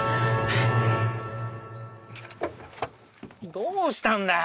どうしたんだよ